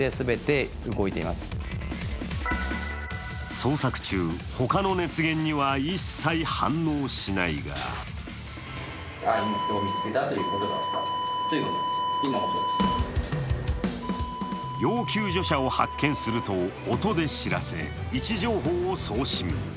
捜索中、ほかの熱源には一切反応しないが要救助者を発見すると音で知らせ、位置情報を送信。